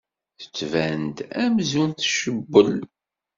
Tettban-d amzun tcewwel.